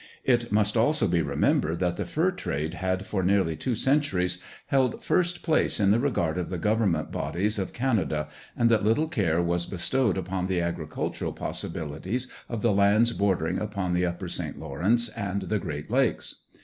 It must also be remembered that the fur trade had for nearly two centuries held first place in the regard of the governing bodies of Canada, and that little care was bestowed upon the agricultural possibilities of the lands bordering upon the Upper St. Lawrence and the Great Lakes.